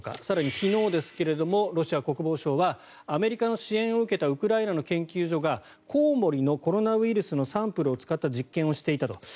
更に昨日ですがロシア国防省はアメリカの支援を受けたウクライナの研究所がコウモリのコロナウイルスのサンプルを使った実験をしていたと。